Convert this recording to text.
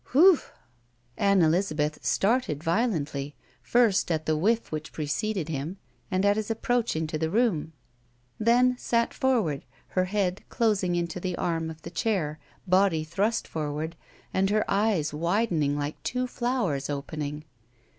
Whew!" Ann Elizabeth started violently, first at the whiff which preceded him and at his approach into the room; then sat forward, her hand closing into the arm of the chair, body thrust forward and her eyes widening like two flowers opening.